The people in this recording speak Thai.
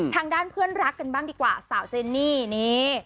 ทางด้านเพื่อนรักกันบ้างดีกว่าสาวเจนนี่นี่